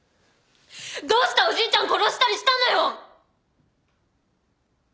どうしておじいちゃんを殺したりしたのよ！